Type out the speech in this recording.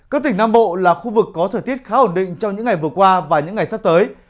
các tỉnh nam bộ là khu vực có thời tiết khá ổn định trong những ngày vừa qua và những ngày sắp tới